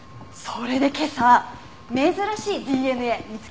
それで今朝珍しいＤＮＡ見つけたの。